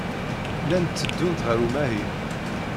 Llant tteddunt ɣer umahil.